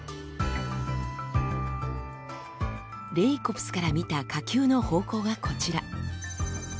レイコプスから見た火球の方向がこちら。